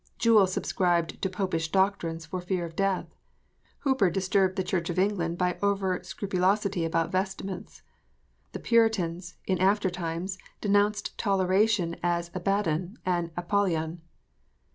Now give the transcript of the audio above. Jewel subscribed to Popish doctrines for fear of death. Hooper disturbed the Church of England by over scrupulosity about vestments. The Puritans, in after times, denounced toleration as Abaddon and Apollyon.